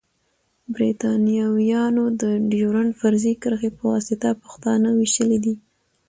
بريتانويانو د ډيورنډ فرضي کرښي پواسطه پښتانه ويشلی دی.